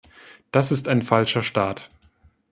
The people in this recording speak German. Das ist ein falscher Start.